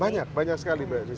banyak banyak sekali mbak